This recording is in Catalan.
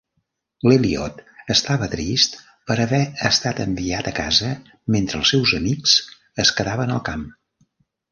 L'Elliott estava trist per haver estat enviat a casa mentre els seus amics es quedaven al camp.